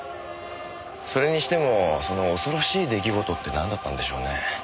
それにしてもその恐ろしい出来事ってなんだったんでしょうね？